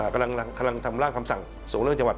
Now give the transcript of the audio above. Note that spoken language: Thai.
กำลังทำร่างคำสั่งส่งเรื่องจังหวัด